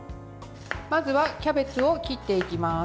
まずはキャベツを切っていきます。